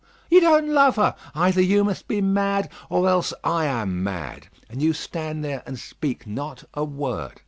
You don't love her! Either you must be mad, or else I am mad. And you stand there, and speak not a word.